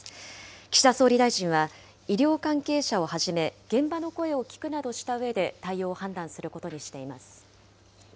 岸田総理大臣は、医療関係者をはじめ、現場の声を聞くなどしたうえで、対応を判断することにしています。